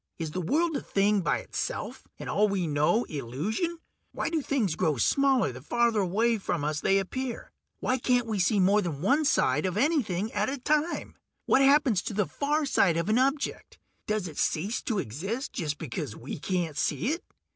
Is the world a thing by itself, and all we know illusion? Why do things grow smaller the farther away from us they appear? Why can't we see more than one side of anything at a time? What happens to the far side of an object; does it cease to exist just because we can't see it?